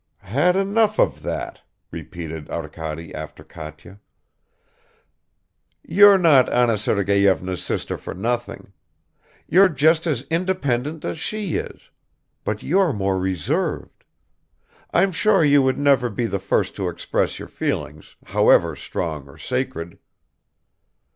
"Had enough of that," repeated Arkady after Katya. "You're not Anna Sergeyevna's sister for nothing; you're just as independent as she is; but you're more reserved. I'm sure you would never be the first to express your feelings, however strong or sacred